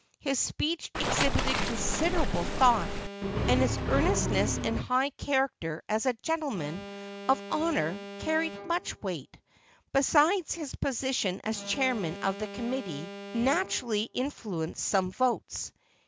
His speech exhibited considerable thought, and his earnestness and high character as a gentleman of honor, carried much weight. Besides, his position as chairman of the committee naturally influenced some votes.